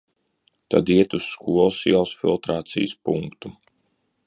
Tad iet uz Skolas ielas filtrācijas punktu.